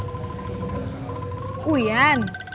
siapa temen aku yang antik